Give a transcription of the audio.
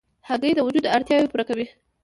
هګۍ د وجود اړتیاوې پوره کوي.